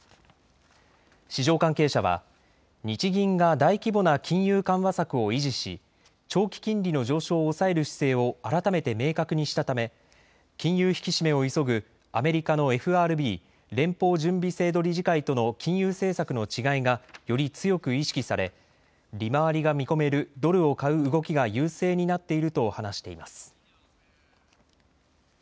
市場関係者は日銀が大規模な金融緩和策を維持し長期金利の上昇を抑える姿勢を改めて明確にしたため金融引き締めを急ぐアメリカのＦＲＢ・連邦準備制度理事会との金融政策の違いがより強く意識され利回りが見込めるドルを買う動きが優勢になっていると話しています。